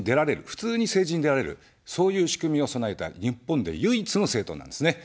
普通に政治に出られる、そういう仕組みを備えた日本で唯一の政党なんですね。